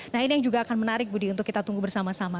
nah ini yang juga akan menarik budi untuk kita tunggu bersama sama